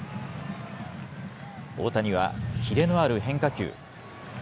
大谷はキレのある変化球。